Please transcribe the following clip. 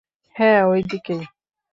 হ্যাঁ, ওদিকেই।